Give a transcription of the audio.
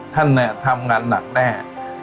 ท่านทำงานหนักแน่